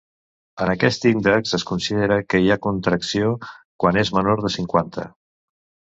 En aquest índex es considera que hi ha contracció quan és menor de cinquanta.